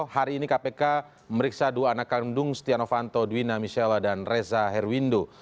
hari ini kpk memeriksa dua anak kandung stiano fanto duwina mishela dan reza herwindo